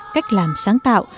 cách làm sáng tạo